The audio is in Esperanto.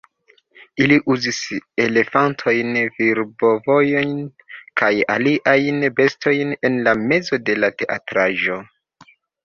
Ili uzis elefantojn, virbovojn kaj aliajn bestojn en la mezo de la teatraĵo